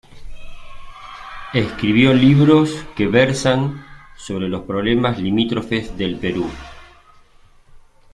Escribió libros que versan sobre los problemas limítrofes del Perú.